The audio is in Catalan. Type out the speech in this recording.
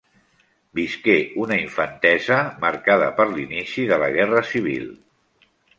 Visqué una infantesa marcada per l'inici de la guerra civil.